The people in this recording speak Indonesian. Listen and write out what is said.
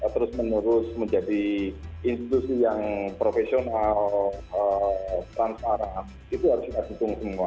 terus menerus menjadi institusi yang profesional transparan itu harus kita dukung semua